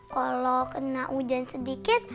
kalo kena hujan sedikit